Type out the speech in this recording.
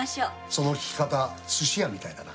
その聞き方寿司屋みたいだな